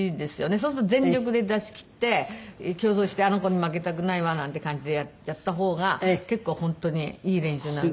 そうすると全力で出し切って競争してあの子に負けたくないわなんて感じでやった方が本当にいい練習になる。